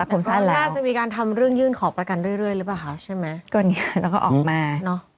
รู้สึกว่าน่าจะมีการทำเรื่องยืนขอบริการเรื่อยรึเปล่าคะใช่ไหมก็ออกมา